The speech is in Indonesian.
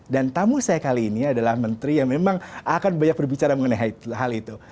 dan tamu saya kali ini adalah menteri yang memang akan banyak berbicara mengenai hal itu